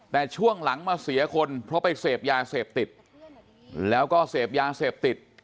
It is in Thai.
แต่ช่วงหลังมาเสียคนเพราะไปเสพยาเสพติดแล้วก็เสพยาเสพติด